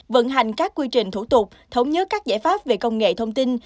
vận hành các quy trình thủ tục thống nhất các giải pháp về công nghệ thông tin